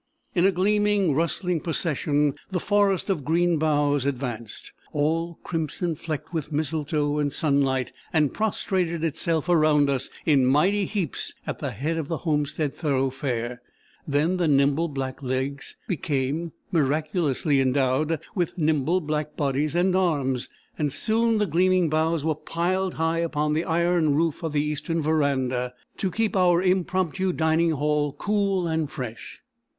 In a gleaming, rustling procession the forest of green boughs advanced, all crimson flecked with mistletoe and sunlight, and prostrated itself around us in mighty heaps at the head of the homestead thoroughfare. Then the nimble black legs becoming miraculously endowed with nimble black bodies and arms, soon the gleaming boughs were piled high upon the iron roof of the Eastern verandah to keep our impromptu dining hall cool and fresh.